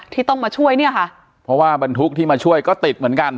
ที่ต้องมาช่วยเนี่ยค่ะเพราะว่าบรรทุกที่มาช่วยก็ติดเหมือนกัน